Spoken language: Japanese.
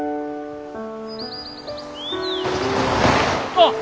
あっ！